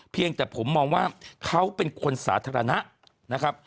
เพียงแต่ผมมองว่าเขาเป็นคนสาธารณะนะครับ